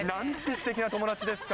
すてきな友達ですか。